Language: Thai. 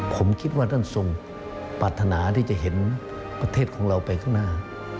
ผมคิดว่าท่านทรงปรารถนาที่จะเห็นประเทศของเราไปข้างหน้า